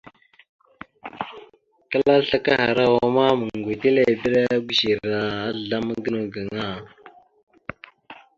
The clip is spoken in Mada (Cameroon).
Kəla asle a lugo kahərawa ma, meŋgʉwetelebire gʉzer azzlam gənaw gaŋa.